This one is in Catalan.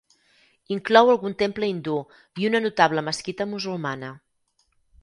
Inclou algun temple hindú i una notable mesquita musulmana.